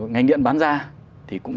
ngành điện bán ra thì cũng